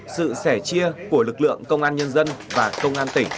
sự sẻ chia của lực lượng công an nhân dân và công an tỉnh